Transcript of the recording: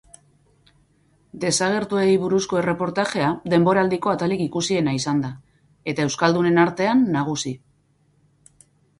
Desagertuei buruzko erreportajea denboraldiko atalik ikusiena izan da, eta euskaldunen artean nagusi.